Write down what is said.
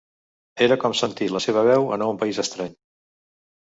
Era com sentir la seva veu en un país estrany.